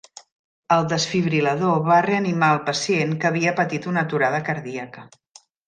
El desfibril·lador va reanimar el pacient que havia patit una aturada cardíaca.